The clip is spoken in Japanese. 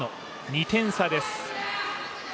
２点差です。